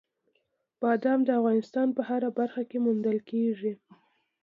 بادام د افغانستان په هره برخه کې موندل کېږي.